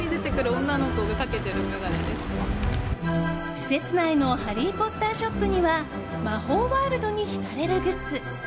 施設内のハリー・ポッターショップには魔法ワールドに浸れるグッズ。